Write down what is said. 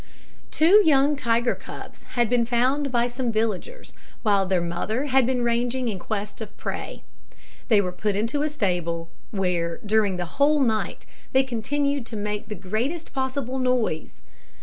Two young tiger cubs had been found by some villagers, while their mother had been ranging in quest of prey. They were put into a stable, where, during the whole night, they continued to make the greatest possible noise.